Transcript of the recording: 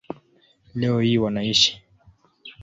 Leo hii wanaishi